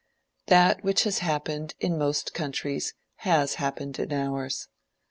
That which has happened in most countries, has happened in ours.